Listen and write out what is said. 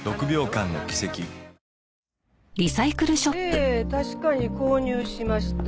ええ確かに購入しました。